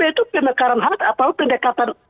itu pendekatan hati atau pendekatan